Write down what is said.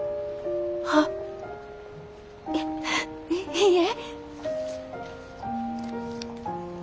あいいいえ。